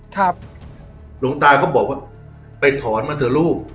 หลวงตาก็บอกว่าไปถอนมาเถอะลูก